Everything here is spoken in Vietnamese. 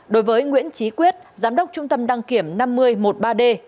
đối với nguyễn trí quyết giám đốc trung tâm đăng kiểm năm nghìn một mươi ba d